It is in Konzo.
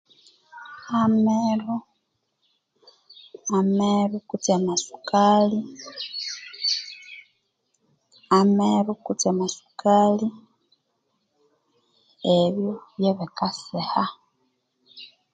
Ameru ameru kutse amasukali Ameru kutse amasukali ebyo byebikasiha